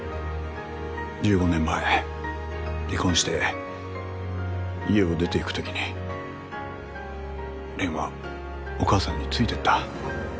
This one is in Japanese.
１５年前離婚して家を出ていく時に蓮はお母さんについてった。